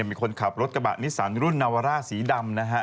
มีคนขับรถกระบะนิสสันรุ่นนาวาร่าสีดำนะฮะ